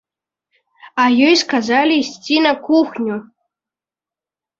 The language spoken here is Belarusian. А ёй сказалі ісці на кухню.